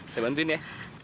saya bantuin ya